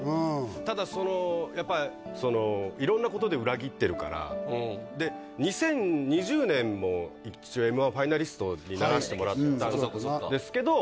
ただそのやっぱり色んなことで裏切ってるからで２０２０年も一応Ｍ−１ファイナリストにならしてもらったんですけど